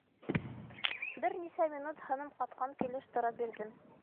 Бер нисә минут һыным ҡатҡан килеш тора бирҙем.